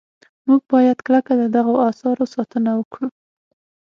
موږ باید په کلکه د دغو اثارو ساتنه وکړو.